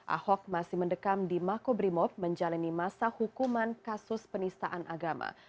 ahok masih mendekam di makobrimob menjalani masa hukuman kasus penistaan agama